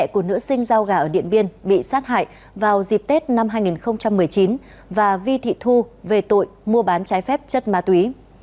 cao gà ở điện biên bị sát hại vào dịp tết năm hai nghìn một mươi chín và vi thị thu về tội mua bán trái phép chất ma túy